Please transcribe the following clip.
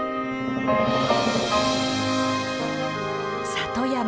里山